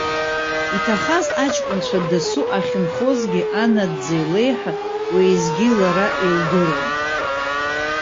Иҭахаз аҷкәынцәа дасу ахьынхозгьы анаӡӡеи леиҳа уеизгьы лара илдыруан.